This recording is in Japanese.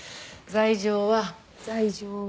罪状は？